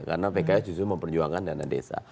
karena pks justru mau perjuangkan dana desa